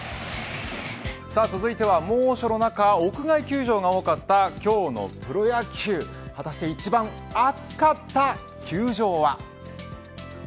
続いては猛暑の中屋外球場が多かった今日のプロ野球果たして一番、暑かった球場は。